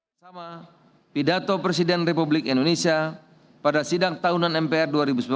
bersama pidato presiden republik indonesia pada sidang tahunan mpr dua ribu sembilan belas